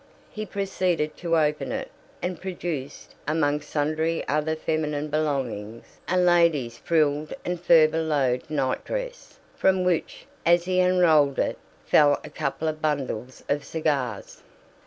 He proceeded to open it, and produced, among sundry other feminine belongings, a lady's frilled and furbelowed night dress, from which, as he unrolled it, fell a couple of bundles of cigars!